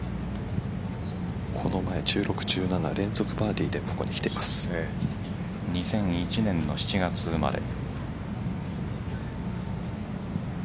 この前、１６、１７連続バーディーで２００１年の７月生まれ。